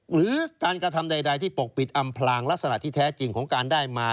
หรือการกระทำใดที่ปกปิดอำพลางลักษณะที่แท้จริงของการได้มา